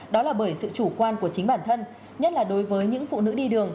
đó là bởi sự chủ quan của chính bản thân nhất là đối với những phụ nữ đi đường